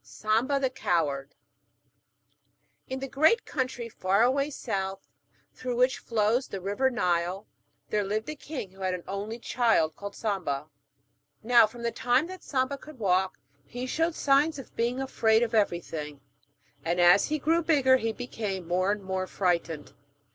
SAMBA THE COWARD In the great country far away south, through which flows the river Nile, there lived a king who had an only child called Samba. Now, from the time that Samba could walk he showed signs of being afraid of everything, and as he grew bigger he became more and more frightened.